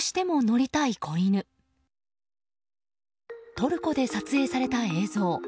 トルコで撮影された映像。